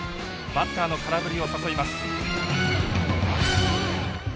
バッターの空振りを誘います。